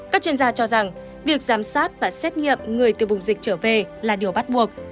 các chuyên gia cho rằng việc giám sát và xét nghiệm người từ vùng dịch trở về là điều bắt buộc